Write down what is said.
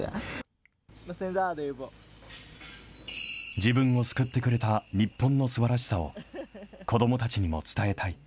自分を救ってくれた日本のすばらしさを、子どもたちにも伝えたい。